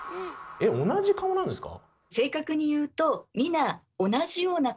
えっ同じ顔なんですか？